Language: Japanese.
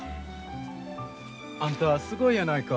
あんたすごいやないか。